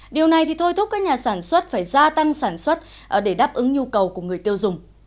điều này thì thôi thúc các nhà sản xuất phải gia tăng sản xuất để đáp ứng nhu cầu của người tiêu dùng